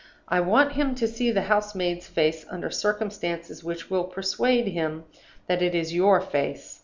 I want him to see the house maid's face under circumstances which will persuade him that it is your face.